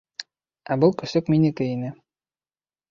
— Ә был көсөк минеке ине.